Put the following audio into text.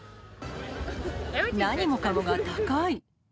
何もかもが高い。